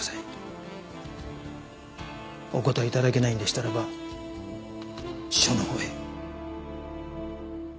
お答え頂けないんでしたらば署のほうへ。